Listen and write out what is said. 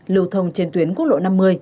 lưu thông trên tuyến quốc lộ năm mươi